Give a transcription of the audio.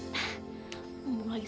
sampai jumpa lagi